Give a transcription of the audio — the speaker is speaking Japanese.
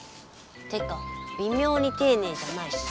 てかびみょうにていねいじゃないし。